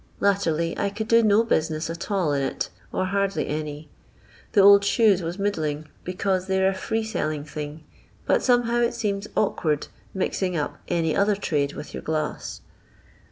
Latterly I could do no busi ness at all in it, or hardly any. The old shoes was middling, because they're a free selling thing, but somehow it seems awkward mixing up any other trade with your glass."